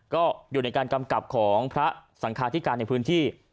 ก็อยู่ในการกำกับของพระสังคาธิการในพื้นที่